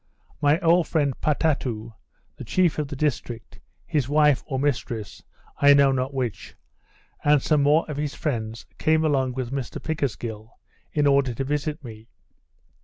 My old friend Pottatou, the chief of that district, his wife, or mistress, (I know not which,) and some more of his friends, came along with Mr Pickersgill, in order to visit me.